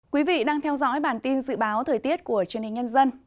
quý vị đang theo dõi bản tin dự báo thời tiết của truyền hình nhân dân